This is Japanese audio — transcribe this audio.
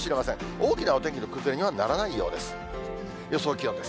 大きなお天気の崩れにはならないようです。